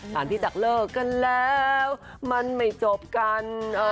หลังจากเลิกกันแล้วมันไม่จบกัน